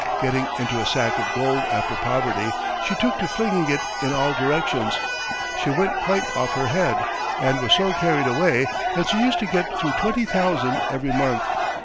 Getting into a sack of gold after poverty, she took to flinging it in all directions. She went quite off her head, and was so carried away that she used to get through twenty thousand every month.